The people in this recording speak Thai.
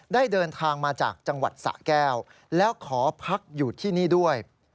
ได้เดินทางมาจากจังหวัดสะแก้วแล้วขอพักอยู่ที่นี่ด้วย